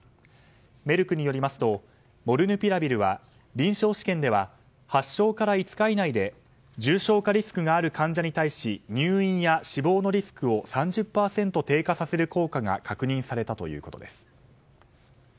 メルクによりますとモルヌピラビルは臨床試験では発症から５日以内で重症化リスクのある患者に対し入院や死亡のリスクを３０％低下させる効果が確認されたということです。